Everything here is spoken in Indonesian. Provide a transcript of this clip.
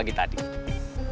kita harus berpikir selesai